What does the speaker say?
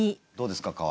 どうですか？